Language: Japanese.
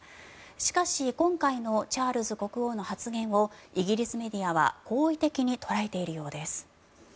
しかし今回のチャールズ国王の発言をイギリスメディアは好意的に捉えているようです。